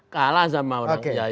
kalah sama orang kiai